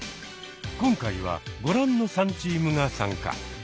今回はご覧の３チームが参加。